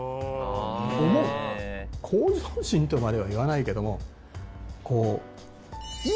向上心とまでは言わないけどもこう。